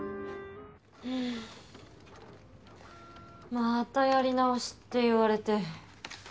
またやり直しって言われて。